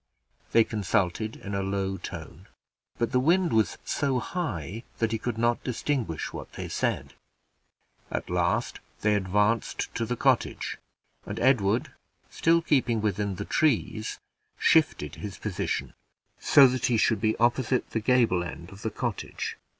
They consulted in a low tone but the wind was so high that he could not distinguish what they said. At last they advanced to the cottage, and Edward, still keeping within the trees, shifted his position, so that he should be opposite the gable end of the cottage.